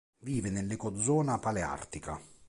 Vive nell'ecozona paleartica.